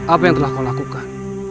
apa yang telah kau lakukan